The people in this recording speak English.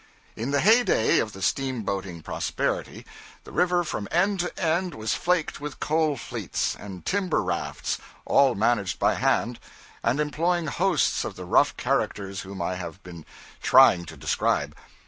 In the heyday of the steamboating prosperity, the river from end to end was flaked with coal fleets and timber rafts, all managed by hand, and employing hosts of the rough characters whom I have been trying to describe.